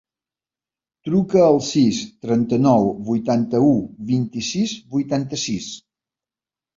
Truca al sis, trenta-nou, vuitanta-u, vint-i-sis, vuitanta-sis.